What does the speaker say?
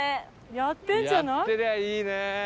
やってりゃいいね。